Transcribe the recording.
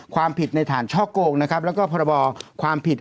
ความผิดในฐานช่อโกงนะครับแล้วก็พรบความผิด